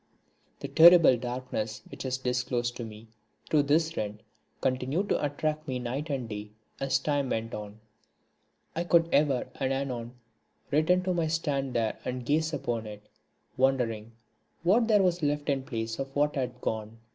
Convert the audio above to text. The terrible darkness which was disclosed to me through this rent, continued to attract me night and day as time went on. I would ever and anon return to take my stand there and gaze upon it, wondering what there was left in place of what had gone.